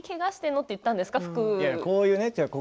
って言ったんですか。